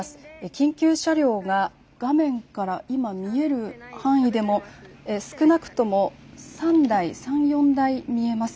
緊急車両が画面から今、見える範囲でも少なくとも３台、３、４台見えます。